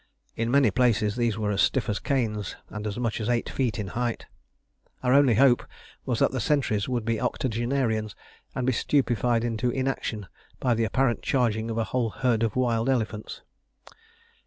In many places these were as stiff as canes, and as much as eight feet in height. Our only hope was that the sentries would be octogenarians, and be stupefied into inaction by the apparent charging of a whole herd of wild elephants.